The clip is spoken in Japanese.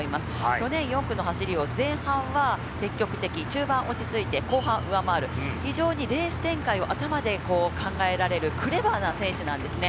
去年４区の走りを前半は積極的、中盤落ち着いて、後半上回る、非常にレース展開を頭で考えられる、クレバーな選手なんですね。